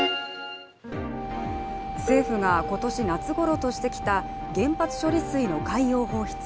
政府が今年夏ごろとしてきた原発処理水の海洋放出。